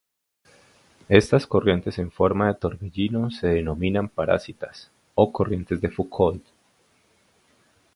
Estas corrientes en forma de torbellino se denominan parásitas o corrientes de Foucault.